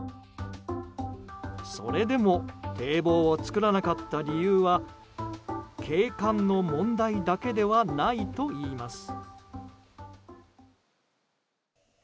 それでも堤防を作らなかった理由は景観の問題だけではないといいます。